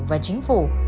và chính phủ